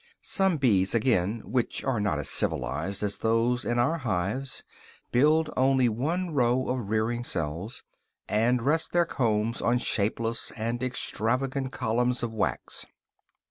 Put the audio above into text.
Some bees again which are not as civilized as those in our hives build only one row of rearing cells and rest their combs on shapeless and extravagant columns of wax.